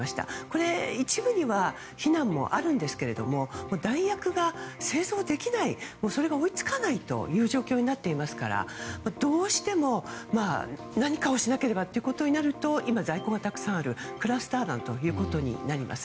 これ、一部には非難もあるんですが弾薬が製造できない追いつかない状況になっていますからどうしても、何かをしなければということになると今、在庫がたくさんあるクラスター弾となります。